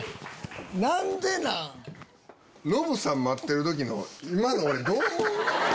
何でなん⁉ノブさん待ってる時の今の俺どう思う？